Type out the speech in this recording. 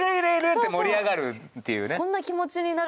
って盛り上がるっていうね。